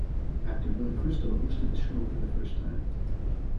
Actor Billy Crystal hosted the show for the first time.